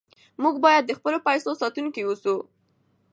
موږ باید د خپلو پیسو ساتونکي اوسو.